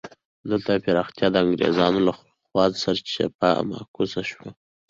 دلته پراختیا د انګرېزانو له خوا سرچپه او معکوسه شوه.